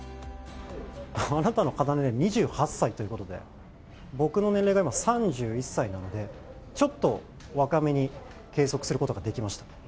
あなたの肌年齢２８歳ということで僕の年齢が３１歳なので少し若めに計測することができました。